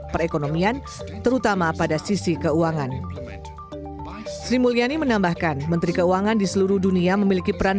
menteri keuangan sri mulyani mengungkapkan